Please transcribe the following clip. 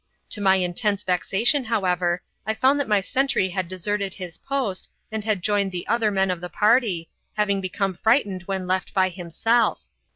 To my intense vexation, however, I found that my sentry had deserted his post and had joined the other men of the party, having become frightened when left by himself.